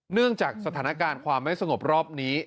เนื่องจากสถานการณ์ความไม่สงบรอบนี้